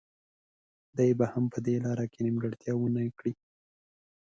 دی به هم په دې لاره کې نیمګړتیا ونه کړي.